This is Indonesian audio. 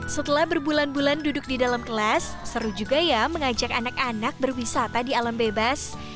setelah berbulan bulan duduk di dalam kelas seru juga ya mengajak anak anak berwisata di alam bebas